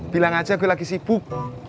bilang aja gue lagi sibuk